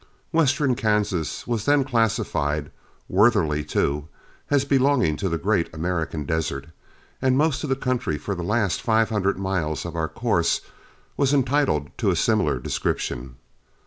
Western Kansas was then classified, worthily too, as belonging to the Great American Desert, and most of the country for the last five hundred miles of our course was entitled to a similar description.